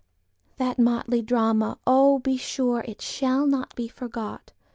That motley drama—oh, be sureIt shall not be forgot!